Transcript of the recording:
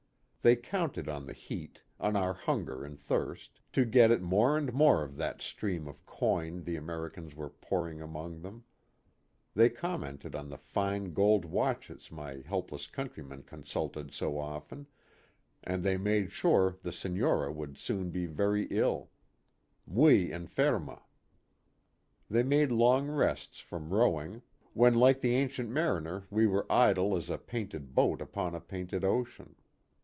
They counted on the heat, on our hunger and thirst, to get at more and more of that stream of coin the Americans were pouring among them ; they commented on the fine gold watches my help less countrymen consulted so often, and they made sure the Senora would soon be very ill, muy enferma. They made long rests from rowing; when like the Ancient Mariner we were idle as a painted boat upon a painted ocean.